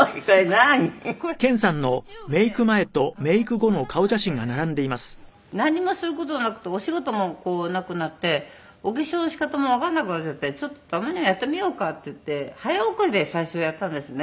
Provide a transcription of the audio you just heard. これＹｏｕＴｕｂｅで暇だったんで何もする事がなくてお仕事もなくなってお化粧の仕方もわかんなくなっちゃってちょっとたまにはやってみようかっていって早送りで最初やったんですね。